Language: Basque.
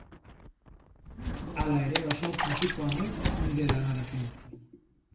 Hala ere, oso kritikoa naiz nire lanarekin.